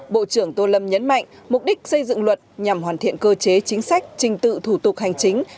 bộ trưởng tô lâm nhấn mạnh mục đích xây dựng luật nhằm hoàn thiện cơ chế chính sách trình tự thủ tục hành chính